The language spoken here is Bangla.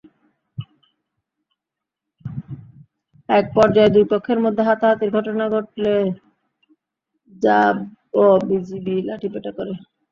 একপর্যায়ে দুই পক্ষের মধ্যে হাতাহাতির ঘটনা ঘটলে র্যা ব-বিজিবি লাঠিপেটা করে।